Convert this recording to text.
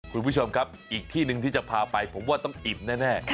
คุณผู้ชมครับอีกที่หนึ่งที่จะพาไปผมว่าต้องอิ่มแน่